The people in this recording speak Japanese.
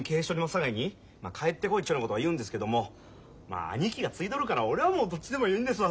さかいに帰ってこいっちゅうようなことは言うんですけどもまあ兄貴が継いどるから俺はもうどっちでもええんですわ。